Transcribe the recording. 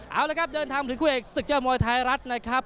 เอาละครับเดินทางถึงคู่เอกศึกยอดมวยไทยรัฐนะครับ